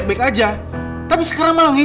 tapi waktu itu kita belum kenal